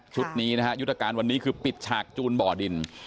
ชุดนี้นะฮะยุตการณ์วันนี้คือปิดชาติจูและใบ่ดิน